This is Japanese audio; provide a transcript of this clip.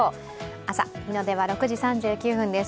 朝、日の出は６時３９分です。